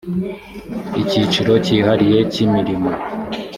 icyiciro cyihariye cy imirimo